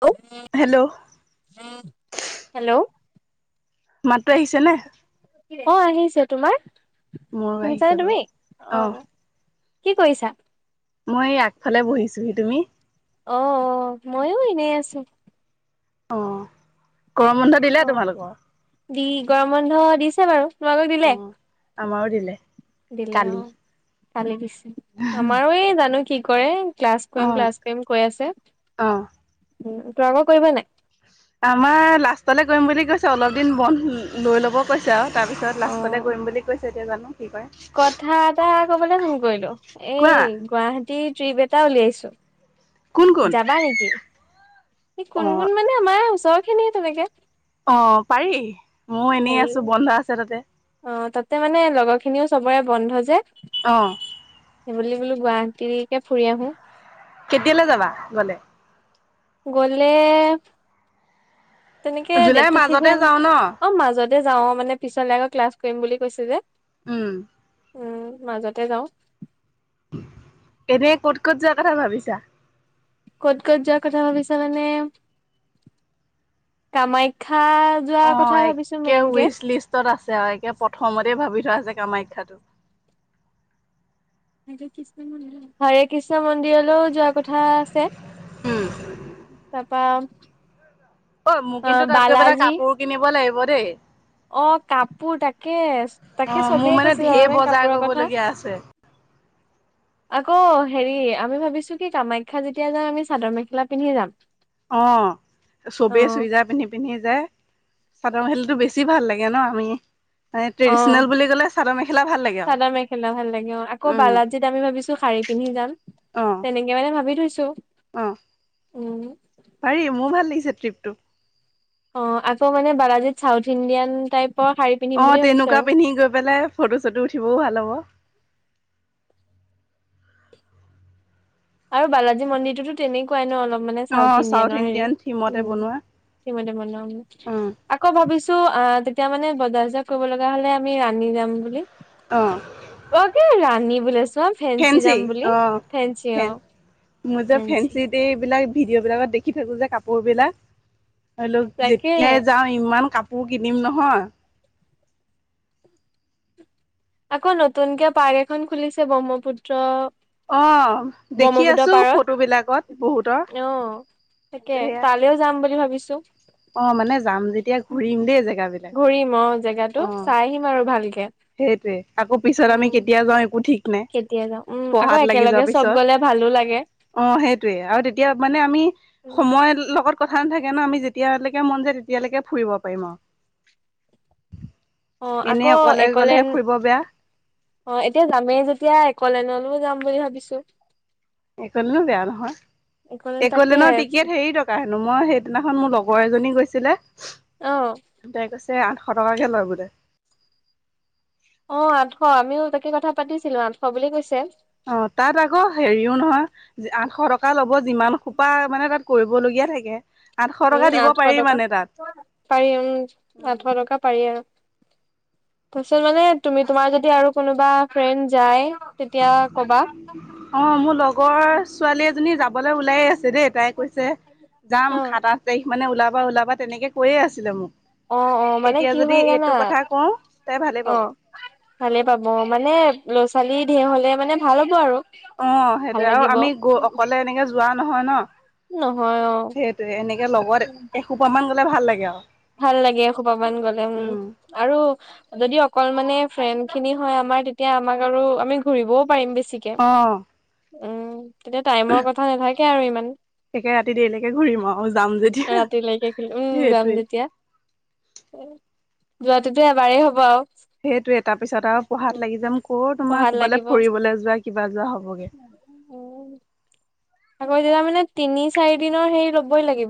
Hello hello মাতটো আহিছে নে? অ', আহিছে তোমাৰ মোৰো আহিছে শুনিছানে বাৰু তুমি? অ', কি কৰিছা? মই আগফালে বহিছোহি তুমি? অ', - অ', ময়ো এনেই আছো। অ', গৰম বন্ধ দিলে অ তোমালোকৰ? দি গৰম বন্ধ দিছে বাৰু তোমালোকক অ দিলে? আমাৰো দিলে। দিলে কালি অ', কালি দিছে আমাৰো এই জানো কি কৰে। ক্লাছ অ কৰিম ক্লাছ কৰিম কৈ আছে অ তই আকৌ কৰিব নাই? আমাৰ লাষ্টলে কৰিম বুলি কৈছে অলপ দিন বন্ধ লৈ ল'ব কৈছে আৰু তাৰপিছত অ লাষ্টলৈ কৰিম বুলি কৈছে এতিয়া জানো। কি কৰে কথা এটা কবলৈ ফোন কৰিলো কোৱা এই গুৱাহাটীত ট্ৰিপ এটা উলিয়াইছো কোন কোন যাবা নেকি? এই অ কোন কোন মানে আমাৰ ওচৰখিনিয়ে তেনেকে অ', পাৰি ময়ো এনেই হেৰি আছো বন্ধ আছে তাতে অ', তাতে মানে লগৰ খিনিও চবৰে বন্ধ যে অ', সেইবুলি কোৱা গুৱাহাটীকে ফুৰি আহো। কেতিয়ালৈ যাবা গ'লে? গ'লে তেনেকে জুলাইৰ ডেটটো ঠিক মাজতে হোৱা নাই যাওঁ ন অ', মাজত মাজতে যাওঁ মানে পিছলৈ আকৌ ক্লাছ কৰিম বুলি কৈছে যে উম উম মাজতে যাওঁ এনে ক'ত ক'ত যোৱা কথা ভাবিছা? ক'ত ক'ত যোৱাৰ কথা ভাবিছা মানে কামাখ্য অ', একে উইচ লিষ্টত আছে আৰু একে প্ৰথমতে ভাবি থোৱা আছে কামাখ্যাটো হৰে কৃষ্ণ মন্দিৰলৈও যোৱা কথা আছে তাৰপা ঐ মোৰ অ কিন্তু তাত গৈ পেলে বালাজী কাপোৰ কিনিব লাগিব দেই। অ', কাপোৰ তাকে-তাকে অ', চবেই কৈছে জানানে কাপোৰৰ কথা এক [inaudible] আকৌ হেৰি আমি ভাবিছো কি কামাখ্যা যেতিয়া যাই আমি চাদৰ মেখেলা পিন্ধি যাম। অ', অ চবেই চুইজাৰ পিন্ধি পিন্ধি যে চাদৰ মেখেলা টো বেছি ভাল লাগে নে আমি ট্ৰেডিচনেল বুলি ক'লে চাদৰ মেখেলা ভাল লাগে আৰু চাদাৰ মেখেলা ভাল লাগে অ', আকৌ উম, বালাজিত আমি ভাবিছো শাাৰী পিন্ধি যাম। অ', তেনেকে মানে ভাবি থৈছো অ', উম পাৰি মোৰ ভাল লাগিছে ট্ৰিপটো অ', আকৌ মানে বালাজীত চাউথ ইণ্ডিয়ান টাইপ অ', তেনেকুৱা পিন্ধি গৈ পেলাই ফটো চটো উঠিবও ভাল হ'ব। আৰু বালাজী মন্দিৰটোতো তেনেকুৱাই ন অলপ মানে চাউথ অ', ইডিয়ানৰ হেৰি ইণ্ডিয়ান থিমতে বনোৱা, উম [unintelligible] উম, বনোৱা আকৌ ভাবিছো অ', তেতিয়া মানে বজাৰ চজাক কৰিব লগা হ'লে আমি ৰাণী যাম বুলি অ'। অ', কি ৰাণী বুলি চোৱা অ', ফেঞ্চি যাম বুলি ফেঞ্চি অ', মই যে ফেঞ্চি ফেঞ্চিতে এইবিলাক ভিডিঅ বিলাকত দেখি থাকো যে কাপোৰ বিলাক ধৰি লওক তাকে যেতিয়াই যাও ইমান কাপ পোৰ কিনিম নহয় আকৌ নতুনকে পাৰ্ক এখন খুলিছে ব্ৰহ্মপুত্ৰ অ দেখি ব্ৰহ্মপুত্ৰ আছো পাৰত ফটো বিলাকত বহুতৰ অ', তাকে কিন্তু সেয়া তালৈও যাম বুলি ভাবিছো অ মানে যাম যেতিয়া ঘূৰিম দেই জেগাবিলাক ঘূৰিম অ অ জেগাটো চাই আহিম আৰু ভালকে আকৌ পিছত আমি উম, কেতিয়া যাওঁ একো ঠিক নাই কেতিয়া যাওঁ উম আকৌ পঢ়াত লাগি একেলগে যোৱাৰ চব পিছত গলে ভালো লাগে অ সেইটয়ে আৰু তেতিয়া মানে আমি সময় লগত কথা নাথাকে ন আমি যেতিয়ালৈকে মন যায় তেতিয়ালৈকে ফুৰিব পাৰিম আৰু অ এনেই আকৌ অকলে গ'লেহে একলেন ফুৰিব বেয়া অ এতিয়া যামেই যেতিয়া একলেনলৈও যাম বুলি ভাবিছো একলেনো বেয়া নহয় একলেন তাকে একলেনৰ টিকেট হেৰি টকা হেনো মই সেইদিনাখন মোৰ লগ বৰ এজনী গৈছিলে আহ তাই কৈছে আঠশ টকাকে লয় বোলে অ আঠশ আমিও তাকে কথা পাতিছিলো আঠশ বুলি কৈছে অ তাত আকৌ হেৰিও নহয় আঠশ টকা ল'ব যিমান খোপা মানে তাত কৰিবলগীয়া ইয়াৰাগে উম আঠশ টকা পাৰি উম আঠশ অ টকা পাৰি আৰু তছত মানে তুমি তোমাৰ যদি আৰু কোনোবা ফ্ৰেণ্ড যায় তেতিয়া কবা অ মোৰ লগৰ ছোৱালী এজনী যাবলৈ ওলাই আছে দেই তাইক কৈছে যাম অ'। সাত আঠ তাৰিখ মানে ওলাবা ওলাবা তেনেকৈ কৈয়ে আছিলে মোক অ অ মানে এতিয়া কি যদি হ'ল এইটো জানা কথা কওঁ তাই ভালেই অ পাব ভালেই পাব মানে ল'ৰা ছোৱালী ধেৰ হলে মানে ভাল হ'ব আৰু অ ভাল সেইটোয়ে আৰু লাগিব আমি গ অকলে এনেকে যোৱা নহয় ন নহয় অ সেইটয়ে এনেকে লগত এসোপ মান গলে ভাল লাগে আৰু ভাল লাগে সোপাবান গলে উম আৰু যদি অকল মানে ফ্ৰেণ্ খিনি হয় আমাৰ তেতিয়া আমাক আৰু আমি ঘুৰিবও পাৰিম বেছি আহ উম তেতিয়া টাইমৰ কথা নাথাকে আৰু ইমান একে ৰাতি দেৰিলৈকে ঘূৰিম আৰু যাম যেতিয়া সেইটোৱে যোৱাটোত এবাৰেই হ'ব আৰু সেইটোয়ে তাৰ পিছত আৰু উম পঢ়াত লাগি যাম ক'ত তোমাৰ পঢ়াত কৰবালৈ লাগিব ফুৰিবলৈ যোৱা কিবা যোৱা হ'বগে না মানে তিনি চাৰি দিনৰ হেৰি ল'বই লাগিব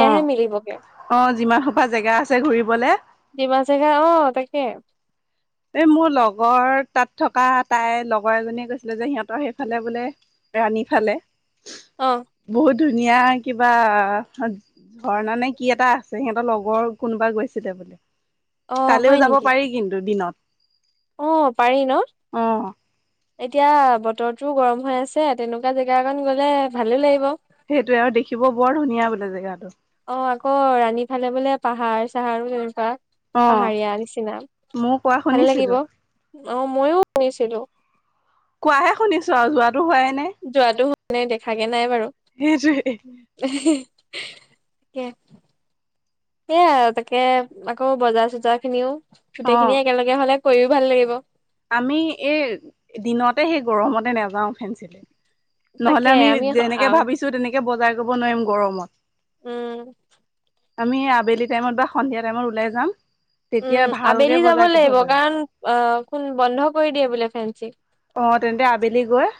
অ মিলিবগে অ যিমান সোপা জেগা আছে ঘূৰিবলে ডিমা চেগা অ তাকে এই মোৰ লগৰ তাত থকা তাইৰ লগৰ এজনীয়ে কৈছিলে যে সিহঁতৰ সেইফালে বোলে ৰাণী ফালে আহ বহুত ধুনীয়া কিবা ঝৰ্ণা নে কি এটা আছে সিহঁতৰ লগৰ কোনোবাই গৈছিলে বোলে অ হয় কালিও যাব নেকি পাৰি কিন্তু দিনত অ পাৰি ন অ' এতিয়া বত টোও গৰম হৈ আছে তেনেকুৱা জেগা অকণ গ'লে ভালো লাগিব সেইটোৱেই আৰু দেখিব বৰ ধুনীয়া বোলে জেগাতটো। অ' আকৌ ৰাণী ফালে বোলে পাহাৰ চাহাৰো [unintelligible] অ' পাহাৰীয়া নিচিনা, ময়ো কোৱা ভাল শুনিছিলো লাগিব। অ' মইয়ো গৈছিলো। কোৱাহে শুনিছো আৰু যোৱাতটো হোৱাই নাই। মানে দেখাকে নাই বাৰু। সেইটোৱে [unintelligible] সেইয়াই তাকে আকৌ বজাৰ চজাৰ খিনিও গোটেইখিনি অ' একেলগে হ'লে কৰিও ভাল লাগিব। আমি এই দিনতে সেই গৰমতে নেযাওঁ ফেঞ্চিলে। নহ'লে আমি যেনেকে ভাবিছো তেনেকে বজাৰ কৰিব নোৱাৰিম গৰমত। উম। আমি আবেলি টাইমত বা সন্ধিয়া টাইমত ওলাই যাম। তেতিয়া উম, ভালকে আবেলি যাব বজাৰ কৰিব লাগিব পাৰিম কাৰণ অ' কুন বন্ধ কৰি দিয়ে বোলে ফেঞ্চি। অ' তেন্তে আবেলি গৈ,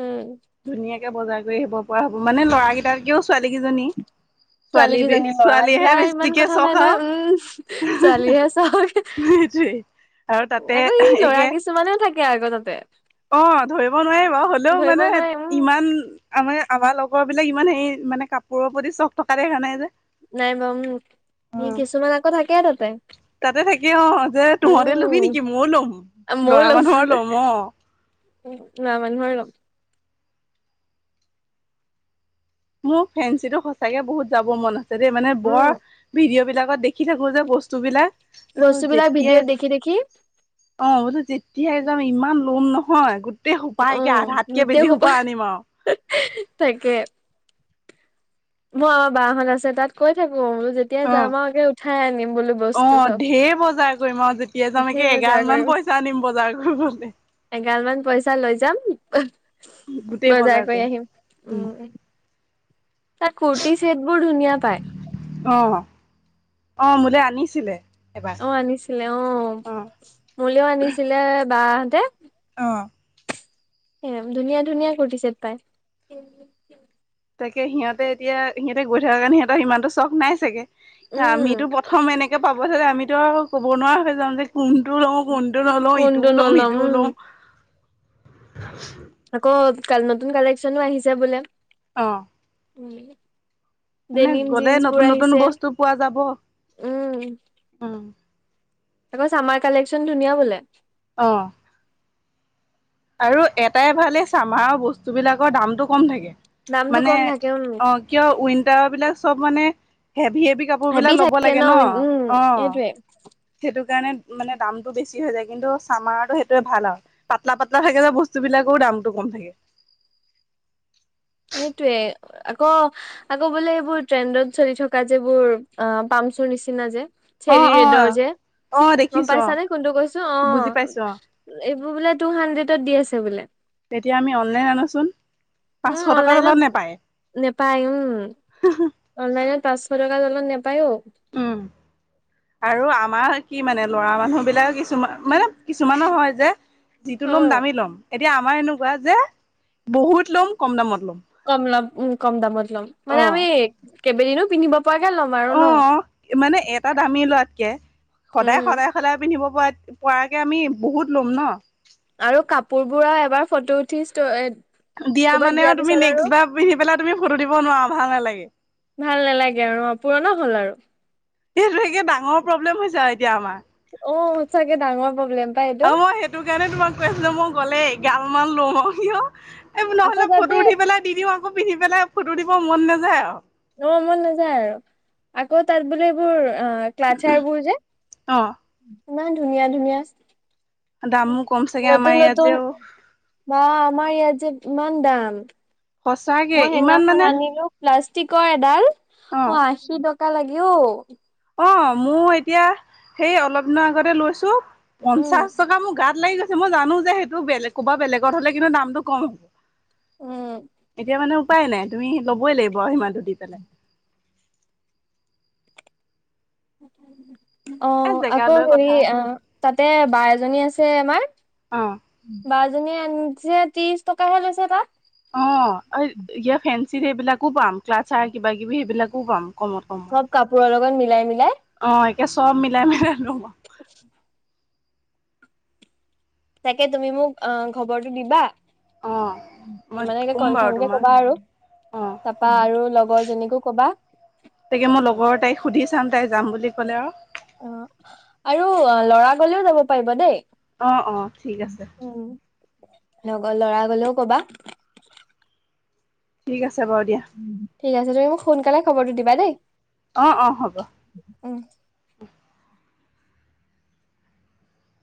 উম ধুনীয়াকে বজাৰ কৰি আহিব পৰা হ'ব মানে ল'ৰাকেইটাকেও ছোৱালী কেইজনী ছোৱালী কিজনী ল'ৰা গিলা ছোৱালীয়েহে ইমান বেছিকে কথা চখ নাই নহয় আৰু। উম ছোৱালীহে চাওক আৰু তাতে আকৌ ই ল'ৰা একে কিছুমানেও থাকে আকৌ তাতে অ' ধৰিব নোৱাৰি বাৰু হ'লেও ধৰিব মানে নোৱাৰে উম ইমান আমাৰ আমাৰ লগ লগৰ বিলাক ইমান হেৰি মানে কাপোৰৰ প্ৰতি চখ থকা দেখা নাই যে। নাই বম, কিছুমান আকৌ থাকে তাতে। তাতে থাকি অ' যে তহঁতে ল'বি উম নেকি মইয়ো ল'ম, ল'ৰা মানুহৰ ল'ম। অ উম, ল'ৰা মানুহৰ ল'ম। মোৰ ফেঞ্চিটো সঁচাকে বহুত যাবৰ মন আছে দেই মানে উম বৰ ভিডিও বিলাক আগত দেখি থাকো যে বস্তু বিলাক। বস্তু বিলাক ভিডিঅ'ত দেখি দেখি। অ' [unintelligible] যেতিয়াই যাম ইমান ল'ম নহয় গোটেই অ সোপাইকে আধাতকে বেছি সোপা আনিম আৰু। [unintelligible] বা হঁত আছে তাত কৈ থাক [unintelligible] যেতিয়াই অ যাম আৰু আগে উঠাই আনিম বোলো অ বস্তু চব। [unintelligible] ভালমান পইচা আনিম বজাৰ কৰিবলে। এগাল মান পইচা লৈ যাম। গোটেই বজাৰ কৰি কৰিম উম, আহিম। তাত কুৰ্তি চেট বোৰ ধুনীয়া পায় অ', অ', মোলৈ আনিছিলে। এবাৰ অ' আনিছিলে অ' মোলেও আনিছিলে বা হঁতে। অ'। এ ধুনীয়া ধুনীয়া কু্ৰ্তিছেট পাই। তাকে সিহঁতে এতিয়া সিহঁতে গৈ থকা কাৰণে সিহঁতৰ সিমানতটো চখ নাই চাগে, আমিতো উম প্ৰথম এনেক [unintelligible] পাব চাগে আমিতো আৰু ক'ব নোৱাৰা হৈ যাওঁ যে কোন কোনটো নলওঁ কোনটো ইটোও ল'ম নলম সিটোও উম লওঁ। আকৌ নতুন কালেকচনো আহিছে বোলে। অ'। উম। মানে ডেনিম গ'লে নতুন জিন্সবোৰ নতুন আহিছে। বস্তু পোৱা যাব উম। উম, [unintelligible] কৈছে আমাৰ কালেকচন ধুনীয়া বোলে। অ'। আৰু এটাই ভালে চামাৰ বস্তু বিলাকৰ দামটো কম থাকে। দামটো মানে কম থাকে উম অ' কিয় উইন্টাৰ বিলাক চব মানে হেভি হেভি কাপোৰ বিলাক ল'ব থাকে লাগে ন, উম অ' সেইটোৱে সেইটো কাৰণে মানে দামটো বেছি হৈ যায় কিন্তু চামাৰো সেইটোৱে ভাল আৰু পাতলা পা [unintelligible] থাকে যে বস্তুবিলাকেও দামটো কম থাকে। সেইটোৱে আকৌ আকৌ বোলে এইবোৰ ট্ৰেণ্ডত চলি থকা যিবোৰ অ পাম চুৰ নিচিনা যে অ চেৰ অ ৰেডৰ যে অ মই দেখিছো অ পাইছানে কোনটো কৈছো অ বুজি পাইছো অ এইবোৰ বোলে টু হাণ্ড্ৰেডত দি আছে বোলে তেতিয়া আমি অনলাইন আনাচোন উম অনলাইনত নোপাই উম অনলাইনত পাছৰ্ [unintelligible] জলত নাপায়ও উম আৰু আমাৰ কি মানে লৰা মানুহ বিলাক কিছুমান মানে কিছুমানো হয় যে যিটো অ ল'ম দামি ল'ম এতিয়া আমাৰ এনেকুৱা যে বহুত ল'ম কম দামত ল'ম কম লম উ কম দামত ল'ম মানে অ আমি কেইবদিনো পিন্ধিব পৰাকে ল'ম আৰু অ ন মানে এটা দামী লোৱাতকে সদায় উম সদায় সলাই পিন্ধিব পকে আমি বহুত ল'ম ন আৰু কাপোৰ বোৰ এবাৰ ফটো উঠি দিয়া ক'ৰবাত মানে দিয়াৰ আৰু তুমি পিছত নেক্সট বাৰ পিন্ধি পেলাই তুমি ফটো দিব নোৱাৰা ভাল নালাগে ভাল নালাগে আৰু পুৰণা হ'ল আৰু সেইটো একে ডাঙৰ প্ৰব্লেম হৈছে আৰু এতিয়া আমাৰ অ চাগে দাঙ অ মই সেইটো কাৰণে তোমাক কৈ আছিলো মই গলেই এগাল মান লো ম এই আকৌ নহলে তাতে ফটো উঠি পেলাই দি দিও আকৌ পিন্ধি পেলাই ফটো উঠিব মন নাযায় আৰু অ মন নাযায় আৰু আকৌ তাত বোলে এইবোৰ অ ক্লাছাৰ বোৰ যে অ'। ইমান ধুনীয়া ধুনীয়া দামো কম চাগে আমাৰ নতুন ইয়াত যে নতুন ম আমাৰ ইয় যে ইমান দাম সঁচাকে মই ইমান সেইদিনাখন মানে আনিলো প্লা ষ্টিকৰ এডাল অ আশী টকা লাগে অ অ মই এতিয়া সেই অলপ দিনৰ আগতে লৈছো উম পঞ্চাশ টকা মোৰ গাত লাগি গৈছে মই জানো যে সেইটো বেলেগ ক'ৰবা বেলেগত হলে কিন্তু দামটো কম উম হ'ব এতিয়া মানে উপায় নাই তুমি লবই লাগিব আৰু সিমানটো দি পেলাই উ অ এ জেগা আকৌ লৈ হেৰি কথা অ তাতে বা এজনী আছে আমাৰ অ বাজনীয়ে এন ত্ৰিশ টকাহে লৈছে তাত অ ইয় ফেঞ্চিত সেইবিলাকো পাম ক্লাছাৰ কিবা কিবি সেইবিলাকো পাম কমত কমত চব কাপোৰৰ লগত মি অ একে চব মিলাই মেলাই লম আওঁ তাকে তুমি মোক অ খবৰটো দিবা অ মই মানে ক'ম বাৰু কনফাৰ্ম কে তোমাক কবা আৰু অ তাপা আৰু লগৰ জনীকো কবা তাকে মই লগৰৰ তাইক সুধি চাম তাই যাম বুলি ক'লে আৰু অ আৰু লৰা গলেও যাব পাৰিব দেই অ অঁ ঠিক আছে উম লগৰ লৰা গলেও কবা ঠিক আছে বাৰু দিয়া ঠিক আছে তুমি মোক সোনকালে খবৰটো দিবা দেই অ অ হ'ব অ